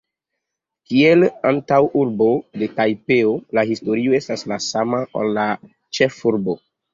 Kiel antaŭurbo de Tajpeo, la historio estas la sama, ol la ĉefurbo.